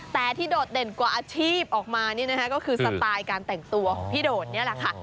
แต่ที่โดดเด่นกว่าอาชีพออกมานี่นะคะก็คือสไตล์การแต่งตัวของพี่โดดนี่แหละค่ะ